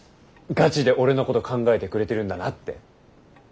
ガチで俺のこと考えてくれてるんだなって。